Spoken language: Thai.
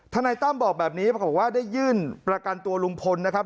นายตั้มบอกแบบนี้ปรากฏว่าได้ยื่นประกันตัวลุงพลนะครับ